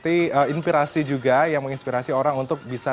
ini tuh panggung utama olarolelarnya ikut yang disebut di belief manusia eonyida